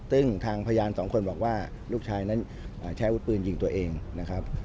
ซึ่งทางพยานสองคนบอกว่าลูกชายนั้นใช้อาวุธปืนยิงตัวเองนะครับ